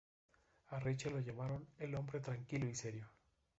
A Richer lo llamaron el "hombre tranquilo y serio".